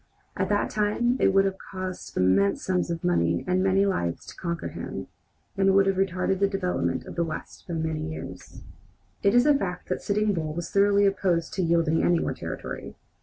At that time it would have cost immense sums of money and many lives to conquer him, and would have retarded the development of the West by many years. It is a fact that Sitting Bull was thoroughly opposed to yielding any more territory.